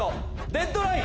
デッドライン！